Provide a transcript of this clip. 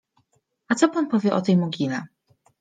— A co pan powie o tej mogile?